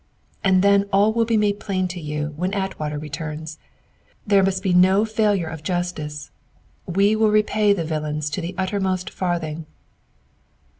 "And then all will be made plain to you when Atwater returns. There must be no failure of justice. We will repay the villains to the uttermost farthing."